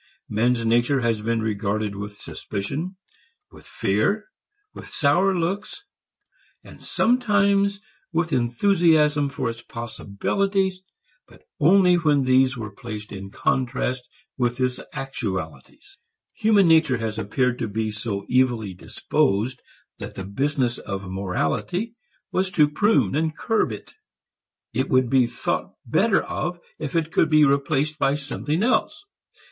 Man's nature has been regarded with suspicion, with fear, with sour looks, sometimes with enthusiasm for its possibilities but only when these were placed in contrast with its actualities. It has appeared to be so evilly disposed that the business of morality was to prune and curb it; it would be thought better of if it could be replaced by something else.